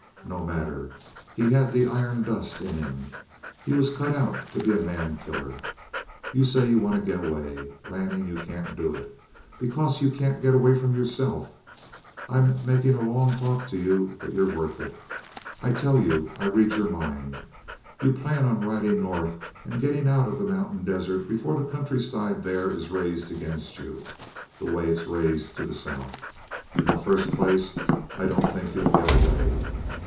No matter. He had the iron dust in him. He was cut out to be a man killer. You say you want to get away: Lanning, you can't do it. Because you can't get away from yourself. I'm making a long talk to you, but you're worth it. I tell you I read your mind. You plan on riding north and getting out of the mountain desert before the countryside there is raised against you, the way it's raised to the south. In the first place, I don't think you'll get away.